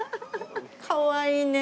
かわいいね。